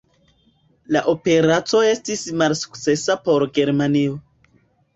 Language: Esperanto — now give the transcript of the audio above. La operaco estis malsukcesa por Germanio.